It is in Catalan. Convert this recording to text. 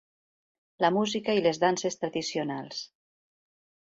La música i les danses tradicionals.